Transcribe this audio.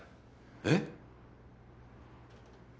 えっ？